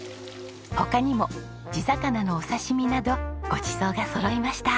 他にも地魚のお刺身などごちそうがそろいました。